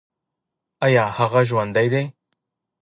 ایا هغه ژوندی دی؟